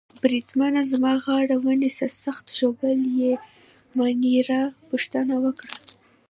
بریدمنه زما غاړه ونیسه، سخت ژوبل يې؟ مانیرا پوښتنه وکړه.